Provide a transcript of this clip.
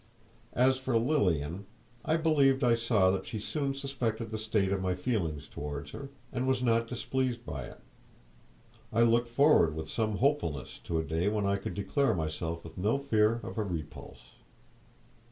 As for Lilian, I believed I saw that she soon suspected the state of my feelings toward her, and was not displeased by it. I looked forward with some hopefulness to a day when I could declare myself with no fear of a repulse.